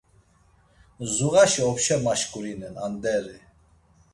Zuğaşe opşa maşǩurinen, anderi.